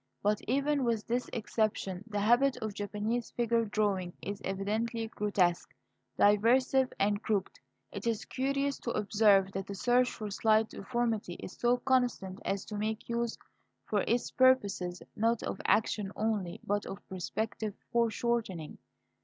But even with this exception the habit of Japanese figure drawing is evidently grotesque, derisive, and crooked. It is curious to observe that the search for slight deformity is so constant as to make use, for its purposes, not of action only, but of perspective foreshortening.